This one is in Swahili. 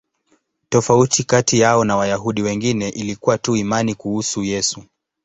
Tofauti kati yao na Wayahudi wengine ilikuwa tu imani kuhusu Yesu.